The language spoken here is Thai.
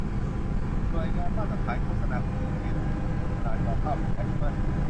หน่วยงานมาตรฐานโฆษณาของยูเค ทบทวนโฆษณาจอภาพของแอปเปิล